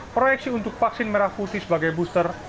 proyeksi untuk vaksin merah putih sebagai booster